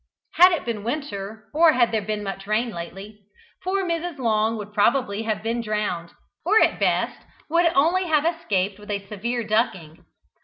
Had it been winter, or had there been much rain lately, poor Mrs. Long would probably have been drowned, or at best would only have escaped with a severe ducking.